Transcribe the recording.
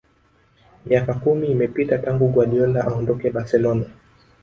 Miaka kumi imepita tangu Guardiola aondoke Barcelona